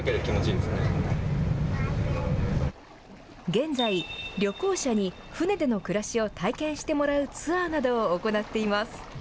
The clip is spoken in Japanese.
現在、旅行者に船での暮らしを体験してもらうツアーなどを行っています。